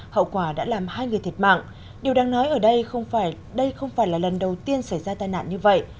hậu quả đã làm hai người thiệt mạng điều đang nói ở đây không phải là lần đầu tiên xảy ra tai nạn như vậy